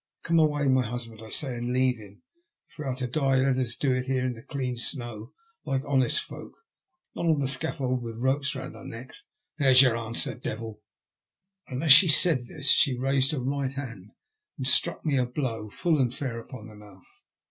Come away, my husband, I say, and leave him ! If we are to die, let us do it here in the clean snow like honest folk, not on the scaffold with ropes round our necks. There is your answer, Devil !" As she said this she raised her right hand and struck me a blow full and fair upon the mouth.